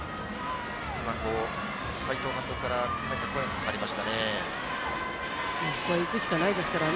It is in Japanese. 今、斉藤監督から声がかかりましたね。